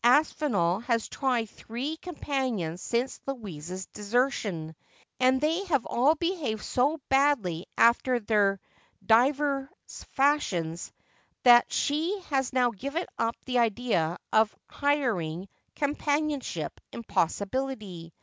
Aspinall has tried three companions since Louisa's desertion, and they have all three behaved so badly after their divers fashions, that she has now given up the idea of hireling companionship as an impossibility.